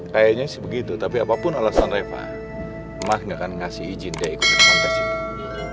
kayaknya sih begitu tapi apapun alasan reva mah gak akan ngasih izin deh ikut di kontes itu